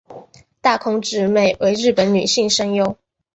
大空直美为日本女性声优。